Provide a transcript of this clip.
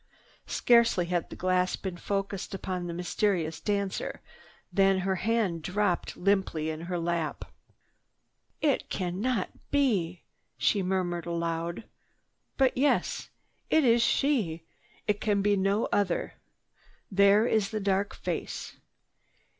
Scarcely had the glass been focussed upon the mysterious dancer than her hand dropped limply to her lap. "It cannot be!" she murmured aloud. "But yes! It is she! It can be no other. There is the dark face.